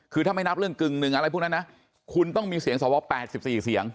คือถ้าไม่นับเรื่องกึ่งหนึ่งอะไรพวกนั้นนะคุณต้องมีเสียงสว๘๔เสียง